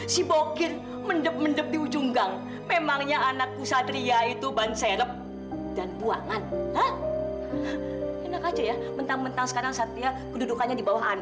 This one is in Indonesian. sampai jumpa di video selanjutnya